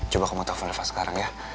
coba kamu telfon reva sekarang ya